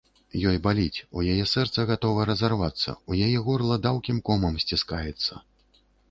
Ёй баліць, у яе сэрца гатова разарвацца, у яе горла даўкім комам сціскаецца.